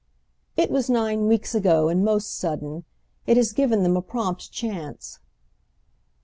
"It was nine weeks ago, and most sudden. It has given them a prompt chance."